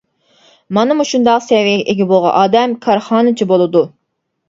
مانا مۇشۇنداق سەۋىيەگە ئىگە بولغان ئادەم كارخانىچى بولىدۇ.